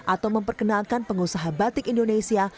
atau memperkenalkan pengusaha batik indonesia